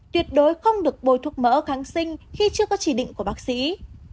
tuyệt đối không được bồi thuốc mỡ kháng sinh khi chưa có chỉ định của bác sĩ